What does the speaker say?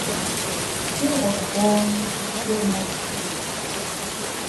He was born to Syed Mohd.